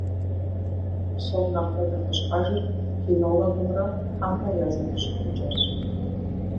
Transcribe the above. Псом нэхърэ нэхъыщхьэжыр кинологымрэ хьэмрэ я зэхущытыкӀэрщ.